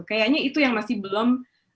kayaknya itu yang masih belum